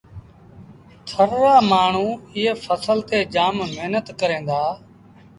ٿر رآ مآڻهوٚݩ ايئي ڦسل تي جآم مهنت ڪريݩ دآ۔